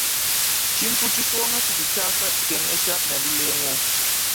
Tshintu tshisonga tshidi tshiasa, tshikengesha ne lulengu.